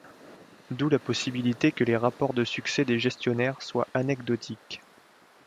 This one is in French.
D'où la possibilité que les rapports de succès des gestionnaires soient anecdotiques.